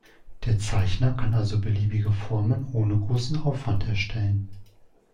Der Zeichner kann also beliebige Formen ohne großen Aufwand erstellen.